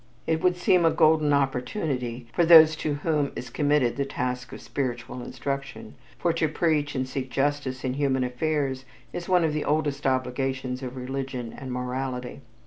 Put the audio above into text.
It would seem a golden opportunity for those to whom is committed the task of spiritual instruction, for to preach and seek justice in human affairs is one of the oldest obligations of religion and morality.